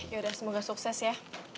yaudah semoga sukses ya